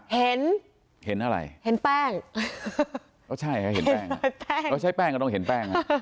เห็นเห็นอะไรเห็นแป้งอ๋อใช่ค่ะเห็นแป้งเขาใช้แป้งก็ต้องเห็นแป้ง